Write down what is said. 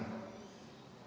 bwf tidak ada masalah